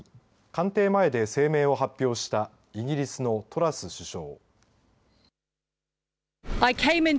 官邸前で声明を発表したイギリスのトラス首相。